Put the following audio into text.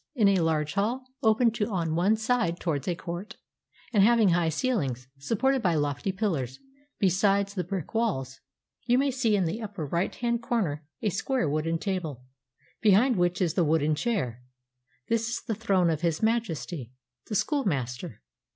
In a large hall, open on one side towards a court, and having high ceihngs supported by lofty pillars besides the brick walls, you may see in the upper right hand corner a square wooden table, behind which is the wooden chair; this is the throne of his majesty — the school master.